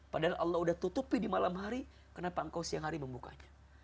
padahal allah sudah tutupi di malam hari kenapa engkau siang hari membukanya